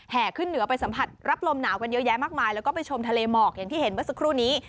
ขึ้นเหนือไปสัมผัสรับลมหนาวกันเยอะแยะมากมายแล้วก็ไปชมทะเลหมอกอย่างที่เห็นเมื่อสักครู่นี้